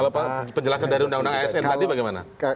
kalau penjelasan dari undang undang asn tadi bagaimana